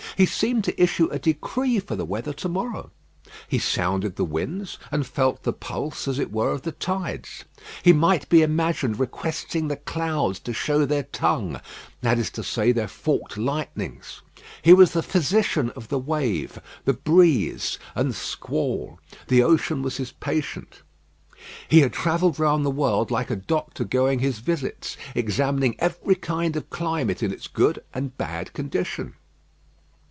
He seemed to issue a decree for the weather to morrow. He sounded the winds, and felt the pulse, as it were, of the tides. He might be imagined requesting the clouds to show their tongue that is to say, their forked lightnings. He was the physician of the wave, the breeze, and the squall. The ocean was his patient. He had travelled round the world like a doctor going his visits, examining every kind of climate in its good and bad condition.